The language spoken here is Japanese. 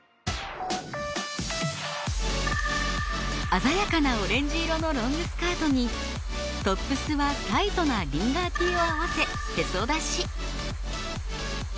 鮮やかなオレンジ色のロングスカートにトップスはタイトなリンガーＴを合わせへそ出し。